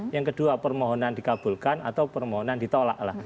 yang kedua permohonan dikabulkan atau permohonan ditolak lah